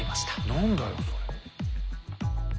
何だよそれ。